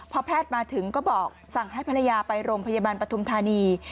พอแพทย์มาถึงก็บอกสั่งให้ภรรยาไปโรงพยาบาลปฐุมธานี